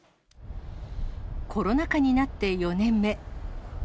コロナ禍になって４年目。